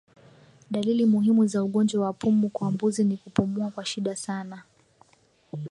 Dalili muhimu za ugonjwa wa pumu kwa mbuzi ni kupumua kwa shida sana